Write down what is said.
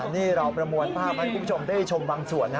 นี่เราประมวลภาพให้คุณผู้ชมได้ชมบางส่วน